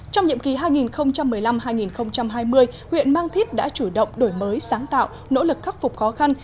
trong nhiệm kỳ hai nghìn một mươi năm hai nghìn hai mươi huyện mang thít đã chủ động đổi mới sáng tạo nỗ lực khắc phục khó khăn